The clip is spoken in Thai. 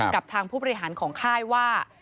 กับทางผู้บริหารของค่ายว่า